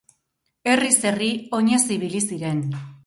Herriz herri oinez ibili ziren.